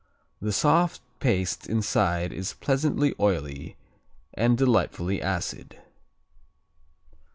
The soft paste inside is pleasantly oily and delightfully acid.